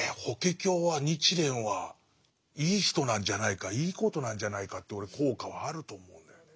「法華経」は日蓮はいい人なんじゃないかいいことなんじゃないかって俺効果はあると思うんだよね。